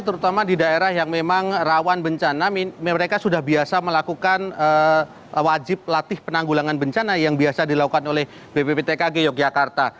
terutama di daerah yang memang rawan bencana mereka sudah biasa melakukan wajib latih penanggulangan bencana yang biasa dilakukan oleh bpptkg yogyakarta